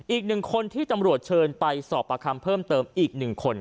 อีกหนึ่งคนที่ตำรวจเชิญไปสอบประคำเพิ่มเติมอีก๑คน